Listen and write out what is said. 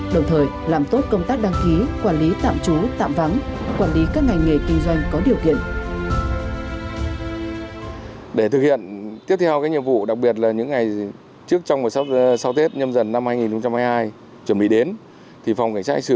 đồng thời làm tốt công tác đăng ký quản lý tạm trú tạm vắng quản lý các ngành nghề kinh doanh có điều kiện